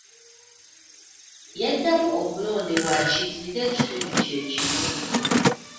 Yaddamu okulondebwa akiikirire ekitundu kye kimu.